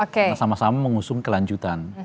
karena sama sama mengusung kelanjutan